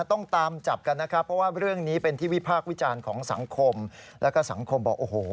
ต้องตามจับกันนะครับ